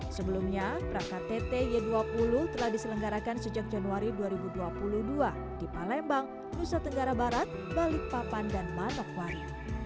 sebelumnya praktett y dua puluh telah diselenggarakan sejak januari dua ribu dua puluh dua di palembang nusa tenggara barat balikpapan dan manokwari